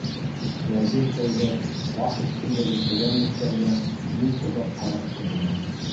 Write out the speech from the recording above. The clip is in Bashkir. Вәзир тәүҙә таш өҫтөндәге перә-никтәргә бик оҙаҡ ҡарап торҙо.